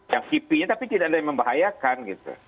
yang tipinya tapi tidak ada yang membahayakan